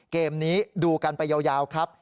เกมนี้ดูกันไปยาวครับ